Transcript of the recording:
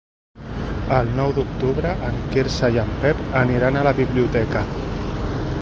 El nou d'octubre en Quirze i en Pep aniran a la biblioteca.